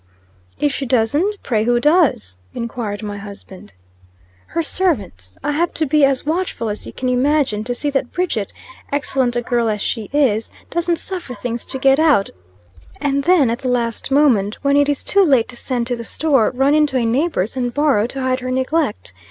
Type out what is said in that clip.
"If she doesn't, pray who does?" inquired my husband. "Her servants. I have to be as watchful as you can imagine, to see that Bridget, excellent a girl as she is, doesn't suffer things to get out, and then, at the last moment, when it is too late to send to the store, run in to a neighbor's and borrow to hide her neglect.